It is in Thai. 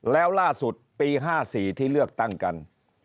แล้วล่าสุดปี๕๔ที่เลือกตั้งกัน